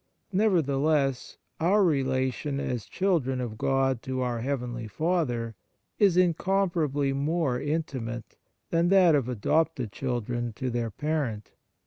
Nevertheless, our relation as children of God to our heavenly Father is incompar ably more intimate than that of adopted children to their parent.